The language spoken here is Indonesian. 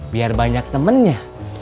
biar banyak temennya